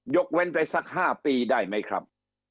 เว้นไปสัก๕ปีได้ไหมครับ